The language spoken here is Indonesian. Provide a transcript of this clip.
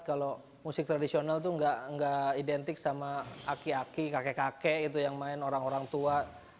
kalau musik tradisional itu nggak identik sama aki aki kakek kakek gitu yang main orang orang tua